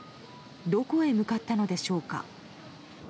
どこへ向かったのでしょうか。